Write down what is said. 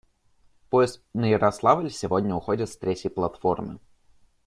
Поезд на Ярославль сегодня уходит с третьей платформы.